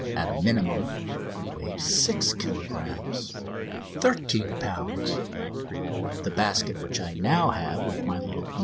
at a minimum, weighed 6 kilogrammes (13 lbs.); the basket which I now have with my little "No.